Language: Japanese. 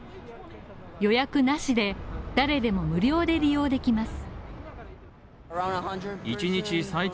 予約なしで誰でも無料で利用できます。